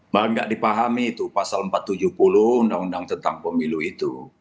banyak dipahami itu pasal empat ratus tujuh puluh undang undang tentang pemilu itu